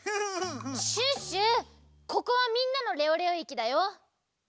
ここはみんなのレオレオ駅だよ。